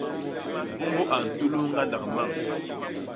Mbômbô a ntulus ñgandak mañ.